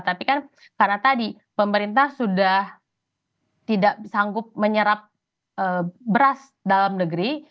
tapi kan karena tadi pemerintah sudah tidak sanggup menyerap beras dalam negeri